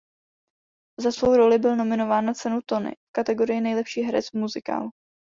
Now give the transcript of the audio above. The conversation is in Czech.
Za svou roli byl nominován na cenu Tony v kategorii nejlepší herec v muzikálu.